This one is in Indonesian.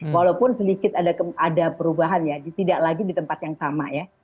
walaupun sedikit ada perubahan ya tidak lagi di tempat yang sama ya